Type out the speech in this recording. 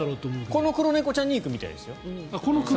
この黒猫ちゃんに行くみたいですよ。